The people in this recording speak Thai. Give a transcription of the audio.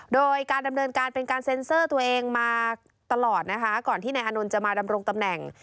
โดยการดำเนินการเป็นการเซ็นเซอร์ตัวเองมาตลอดนะคะก่อนที่นายอานนท์จะมาดำรงตำแหน่ง